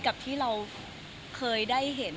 กับที่เราเคยได้เห็น